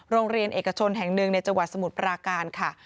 โรงเรียนเอกชนแห่งหนึ่งในจังหวัดสมุทรปราการค่ะ